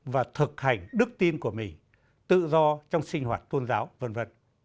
và thực hành đức tin của mình tự do trong sinh hoạt tôn giáo v v